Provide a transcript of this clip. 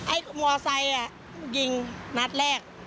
ไอ้มอสไซค์ยิงนัดแรก